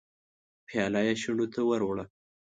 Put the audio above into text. پياله يې شونډو ته ور وړه.